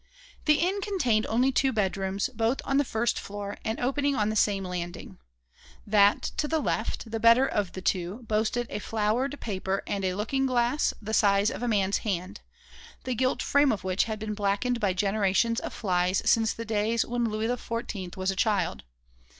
The inn contained only two bedrooms, both on the first floor and opening on the same landing. That to the left, the better of the two, boasted a flowered paper and a looking glass the size of a man's hand, the gilt frame of which had been blackened by generations of flies since the days when Louis XIV was a child.